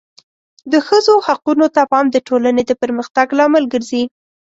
د ښځو حقونو ته پام د ټولنې د پرمختګ لامل ګرځي.